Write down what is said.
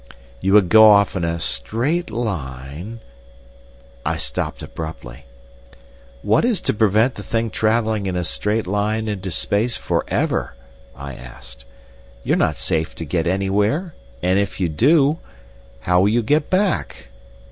"You would go off in a straight line—" I stopped abruptly. "What is to prevent the thing travelling in a straight line into space for ever?" I asked. "You're not safe to get anywhere, and if you do—how will you get back?"